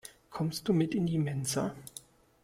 Kommst du mit in die Mensa?